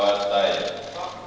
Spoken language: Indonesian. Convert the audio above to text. akan setia dan tahan